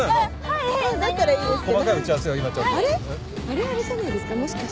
あれじゃないですか。